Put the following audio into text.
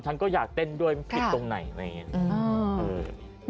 ฉันก็อยากเต้นด้วยมันผิดตรงไหนอะไรอย่างนี้